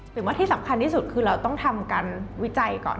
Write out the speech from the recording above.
หรือว่าที่สำคัญที่สุดคือเราต้องทำการวิจัยก่อน